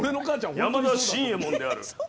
山田新右衛門である。